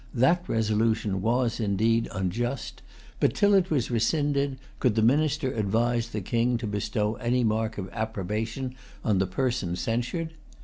That resolution was, indeed, unjust; but, till it was rescinded,[Pg 208] could the minister advise the King to bestow any mark of approbation on the person censured?